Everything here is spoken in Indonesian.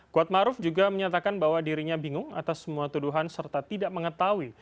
kuat maruf juga menyatakan bahwa dirinya bingung atas semua tuduhan serta tidak mengetahui